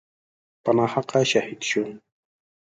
په ناحقه شهید شو.